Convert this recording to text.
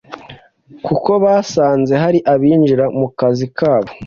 kuko basanze hari abinjira mu kazi kabo